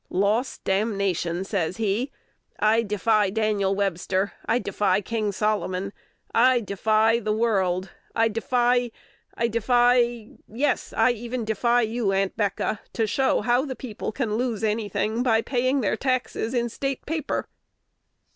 "Loss, damnation 1" says he. "I defy Daniel Webster, I defy King Solomon, I defy the world, I defy I defy yes, I defy even you, Aunt'Becca, to show how the people can lose any thing by paying their taxes in State paper."